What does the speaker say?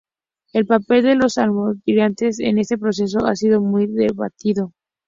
El papel de los almorávides en este proceso ha sido muy debatido.